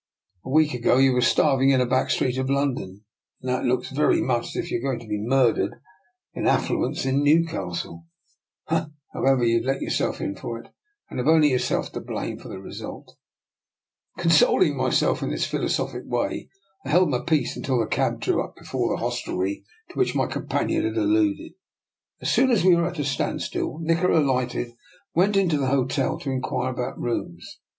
" A week ago you were starving in a back street in London, and now it looks very much as if you are going to be murdered in affluence in Newcastle. However, you've let yourself in for it, and have only yourself to blame for the result." Consoling myself in this philosophic way, I held my peace until the cab drew up before the hostelry to which my companion had alluded. As soon as we were at a standstill, Nikola alighted and went into the hotel to in quire about rooms.